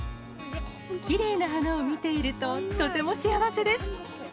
きれいな花を見ていると、とても幸せです。